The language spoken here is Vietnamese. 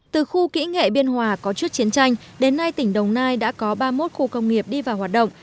từ khu kỹ nghệ biên hòa có trước chiến tranh đến nay tỉnh đồng nai đã có ba mươi một khu công nghiệp đi vào hoạt động